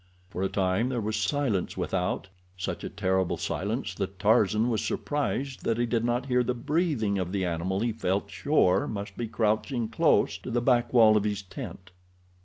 For a time there was silence without, such a terrible silence that Tarzan was surprised that he did not hear the breathing of the animal he felt sure must be crouching close to the back wall of his tent.